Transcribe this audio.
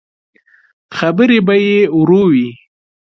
خبرې به يې ورو وې.